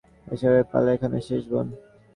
এসবের পালা এখানেই শেষ, বোন।